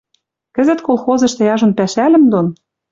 Кӹзӹт колхозышты яжон пӓшӓлӹм дон